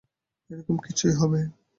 এরকম কিছুই হবে।